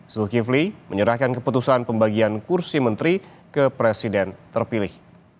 zulkifli menyerahkan keputusan pembagian kursi menteri ke presiden terpilih